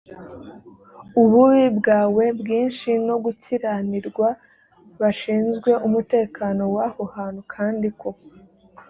ububi bwawe bwinshi no gukiranirwa bashinzwe umutekano w aho hantu kandi ko